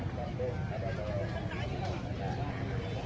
สุดท้าย